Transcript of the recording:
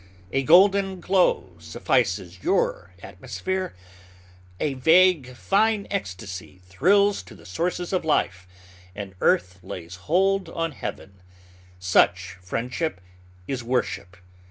A golden glow suffices your atmosphere. A vague, fine ecstasy thrills to the sources of life, and earth lays hold on Heaven. Such friendship is worship.